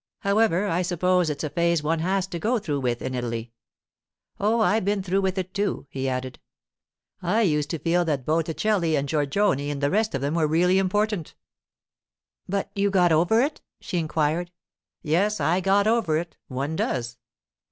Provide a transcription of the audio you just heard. However, I suppose it's a phase one has to go through with in Italy. Oh, I've been through with it, too,' he added. 'I used to feel that Botticelli and Giorgione and the rest of them were really important.' 'But you got over it?' she inquired. 'Yes, I got over it—one does.